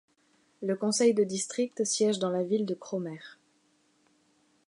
Le conseil de district siège dans la ville de Cromer.